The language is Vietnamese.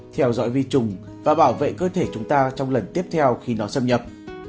theo dõi vi trùng và bảo vệ cơ thể chúng ta trong lần tiếp theo khi nó xâm nhập